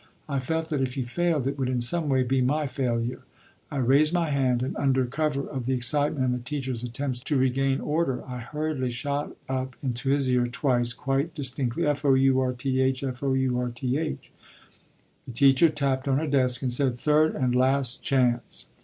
I felt that if he failed, it would in some way be my failure. I raised my hand, and, under cover of the excitement and the teacher's attempts to regain order, I hurriedly shot up into his ear twice, quite distinctly: "F o u r t h, f o u r t h." The teacher tapped on her desk and said: "Third and last chance."